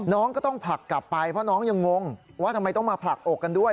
น้องก็ต้องผลักกลับไปเพราะน้องยังงงว่าทำไมต้องมาผลักอกกันด้วย